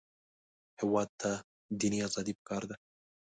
هېواد ته دیني ازادي پکار ده